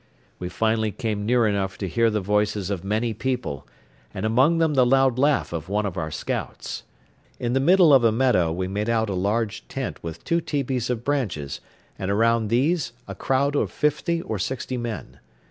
We finally came near enough to hear the voices of many people and among them the loud laugh of one of our scouts. In the middle of a meadow we made out a large tent with two tepees of branches and around these a crowd of fifty or sixty men.